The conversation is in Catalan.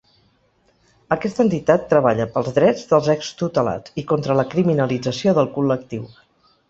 Aquesta entitat treballa pels drets dels extutelats i contra la criminalització del col·lectiu.